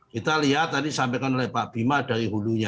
kita lihat tadi disampaikan oleh pak bima dari hulunya